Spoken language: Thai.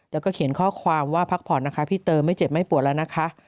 แล้วก็เขียนข้อความว่าพักผ่อนนะคะพี่เติมไม่เจ็บไม่ปวดแล้วนะคะ